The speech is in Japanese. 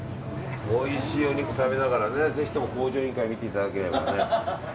おいしいお肉食べながらぜひとも「向上委員会」を見ていただければね。